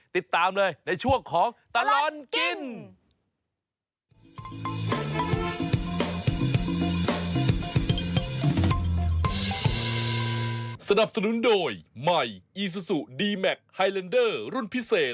ติดตามเลยในช่วงของตลอดกิน